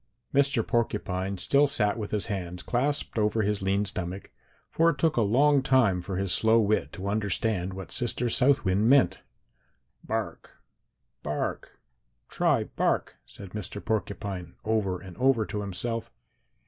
"Mr. Porcupine still sat with his hands clasped over his lean stomach, for it took a long time for his slow wit to understand what Sister South Wind meant. 'Bark, bark, try bark,' said Mr. Porcupine over and over to himself.